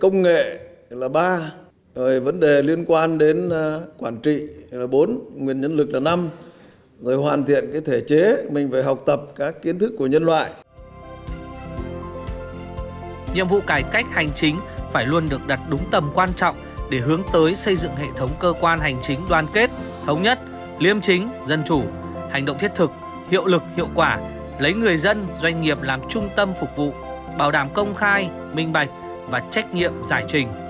nhiệm vụ cải cách hành chính phải luôn được đặt đúng tầm quan trọng để hướng tới xây dựng hệ thống cơ quan hành chính đoan kết thống nhất liêm chính dân chủ hành động thiết thực hiệu lực hiệu quả lấy người dân doanh nghiệp làm trung tâm phục vụ bảo đảm công khai minh bạch và trách nhiệm giải trình